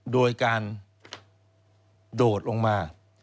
โดยการโดดลงมา